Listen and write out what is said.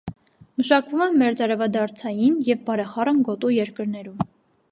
Մշակվում է մերձարևադարձային և բարեխառն գոտու երկրներում։